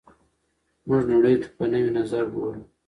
موږ نړۍ ته په نوي نظر ګورو.